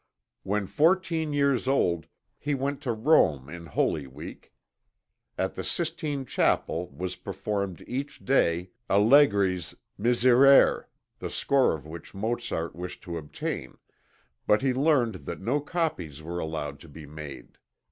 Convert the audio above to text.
When fourteen years old he went to Rome in Holy Week. At the Sistine Chapel was performed each day, Allegri's 'Miserere,' the score of which Mozart wished to obtain, but he learned that no copies were allowed to be made.